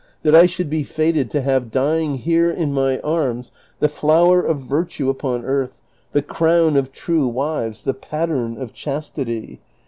that I should be fated to have dying here in my arms the flower of virtue upon earth, the ci'own of true wives, the pattern of chastity!"